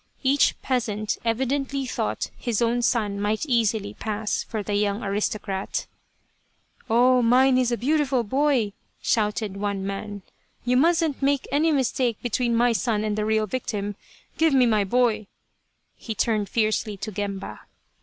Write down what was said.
Each peasant evidently thought his own son might easily pass for the young aristocrat !" Oh, mine is a beautiful boy," shouted one man. " You mustn't make any mistake between my son and the real victim. Give me my boy " he turned fiercely to Gemba.